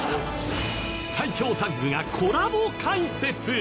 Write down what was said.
最強タッグがコラボ解説